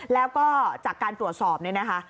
แล้วก็จากการตรวจสอบเนี่ยนะคะ